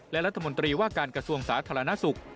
และรัฐมนตรีว่าการกษวงศาสนสุข